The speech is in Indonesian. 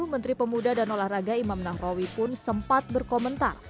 menteri pemuda dan olahraga imam nahrawi pun sempat berkomentar